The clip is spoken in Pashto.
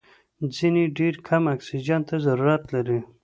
ځینې یې ډېر کم اکسیجن ته ضرورت لري.